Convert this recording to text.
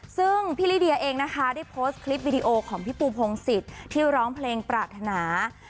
ซึ่งพี่ลิเดียเองนะคะได้โพสต์คลิปวิดีโอของพี่ปูพงศิษย์ที่ร้องเพลงปรารถนา